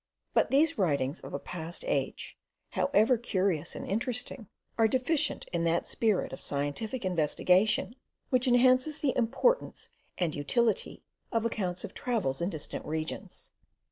But these writings of a past age, however curious and interesting, are deficient in that spirit of scientific investigation which enhances the importance and utility of accounts of travels in distant regions.